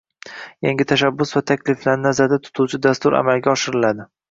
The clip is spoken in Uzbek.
yangi tashabbus va takliflarni nazarda tutuvchi dastur amalga oshiriladi.